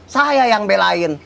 saya yang belain